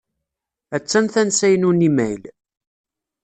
Attan tansa-inu n imayl.